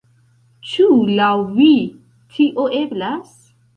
Ĉu laŭ vi tio eblas?